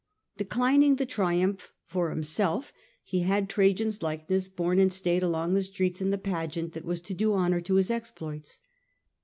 Declining the triumph for himself, he had Trajan's likeness borne in state along the streets in the pageant that was to do honour to his exploits.